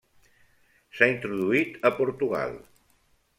S'ha introduït a Portugal.